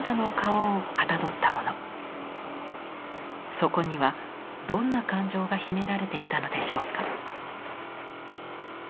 そこにはどんな感情が秘められていたのでしょうか。